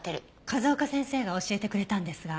風丘先生が教えてくれたんですが。